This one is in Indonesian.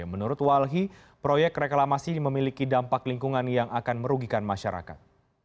menurut walhi proyek reklamasi memiliki dampak lingkungan yang akan merugikan masyarakat